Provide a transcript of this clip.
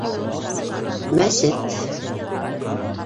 Мәсет.